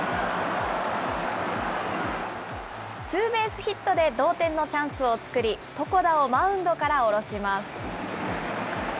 ツーベースヒットで同点のチャンスを作り、床田をマウンドから降ろします。